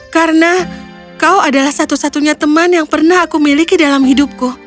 karena kau adalah satu satunya teman yang pernah aku miliki dalam hidupku